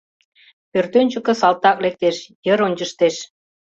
Пӧртӧнчыкӧ салтак лектеш, йыр ончыштеш.